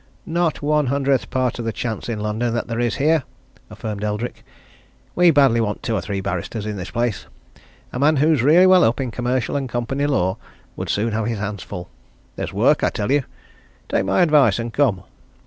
"Not one hundredth part of the chance in London that there is here!" affirmed Eldrick. "We badly want two or three barristers in this place. A man who's really well up in commercial and company law would soon have his hands full. There's work, I tell you. Take my advice, and come!"